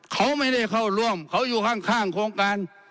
เขาไม่ได้เข้าร่วมเขาอยู่ข้างโครงการ